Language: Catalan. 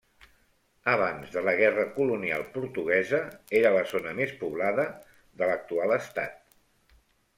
Abans de la Guerra Colonial Portuguesa era la zona més poblada de l'actual estat.